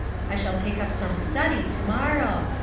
I shall take up some study, to morrow.